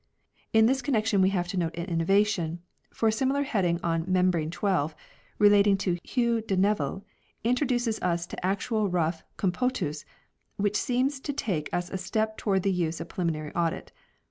In this connection we have to note an innovation, for a similar heading on mem brane 12 relating to Hugh de Nevill introduces us to an actual rough " Compotus," 1 which seems to take us a step towards the use of preliminary audit.